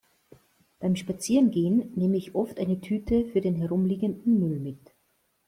Beim Spazierengehen nehme ich oft eine Tüte für den herumliegenden Müll mit.